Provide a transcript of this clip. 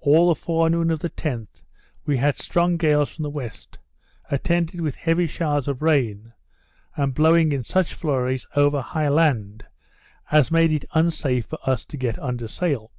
All the forenoon of the 10th, we had strong gales from the west, attended with heavy showers of rain, and blowing in such flurries over high land, as made it unsafe for us to get under sail.